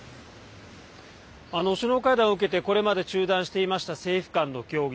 首脳会談を受けてこれまで中断していました政府間の協議